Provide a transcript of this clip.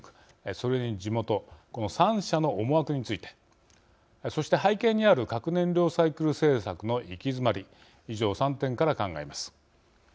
それに、地元この３者の思惑についてそして、背景にある核燃料サイクル政策の行き詰まり以上、３点から考えます。